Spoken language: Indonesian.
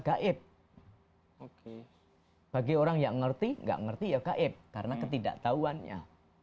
gaib bagi orang yang ngerti nggak ngerti ya gaib karena ketidaktahuannya